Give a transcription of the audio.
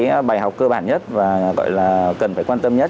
cái bài học cơ bản nhất và gọi là cần phải quan tâm nhất